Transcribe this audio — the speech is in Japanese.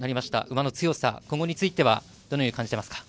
馬の強さ、今後についてはどのように感じてますか？